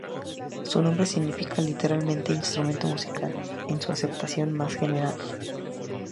Su nombre significa literalmente "instrumento musical" en su acepción más general.